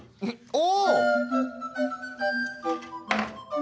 お！